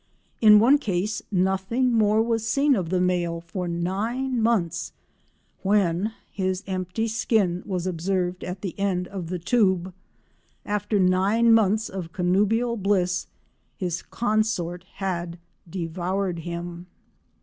In one case nothing more was seen of the male for nine months, when his empty skin was observed at the end of the tube. After nine months of connubial bliss his consort had devoured him!